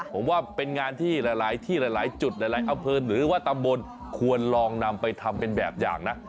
ผมว่าเป็นงานที่หลายที่หลายจุดหลายอำเภอหรือว่าตำบลควรลองนำไปทำเป็นแบบอย่างนะ